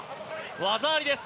技ありです。